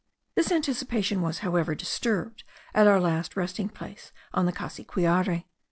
This anticipation was, however, disturbed at our last resting place on the Cassiquiare.